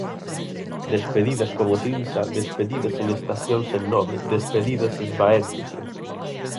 Despedidas como cinza, despedidas en estacións sen nome, despedidas esvaéndose.